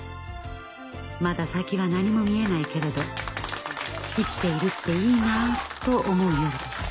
まだ先は何も見えないけれど生きているっていいなあと思う夜でした。